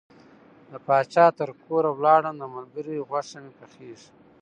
د پاچا تر کوره لاړم د ملګري غوښه مې پخیږي.